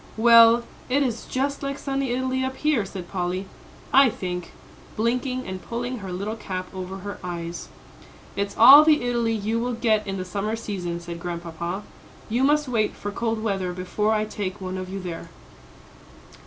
"Well, it is just like sunny Italy up here," said Polly, "I think," blinking, and pulling her little cap over her eyes. "It's all the Italy you will get in the summer season," said Grandpapa. "You must wait for cold weather before I take one of you there."